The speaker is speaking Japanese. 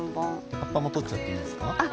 葉っぱも取っちゃっていいですか？